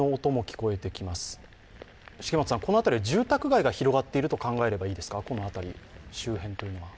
この辺りは住宅街が広がっていると考えればいいですか？